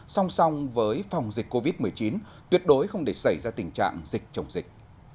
song song với phòng dịch covid một mươi chín tuyệt đối không để xảy ra tình trạng dịch chống dịch